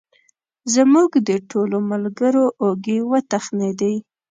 زموږ د ټولو ملګرو اوږې وتخنېدې.